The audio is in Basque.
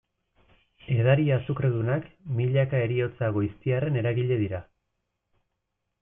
Edari azukredunak, milaka heriotza goiztiarren eragile dira.